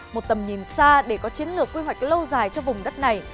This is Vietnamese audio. một tầm nhìn xa để có chiến lược quy hoạch lâu dài cho vùng đất này